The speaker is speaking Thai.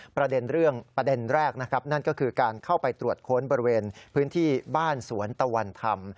ประเด็นเรื่องประเด็นแรกนะครับนั่นก็คือการเข้าไปตรวจค้นบริเวณพื้นที่บ้านสวนตะวันธรรม